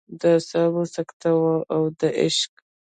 د اعصابو سکته وه او که د عشق.